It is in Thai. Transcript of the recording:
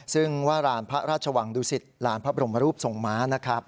ซึ่งว่ารานพระราชวังดุสิตลานพระบรมรูปทรงม้านะครับ